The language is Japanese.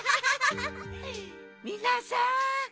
みなさん